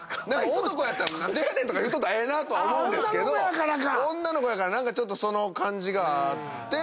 男やったら「何でやねん！」とか言うとったらええなとは思うんですけど女の子やから何かちょっとその感じがあって。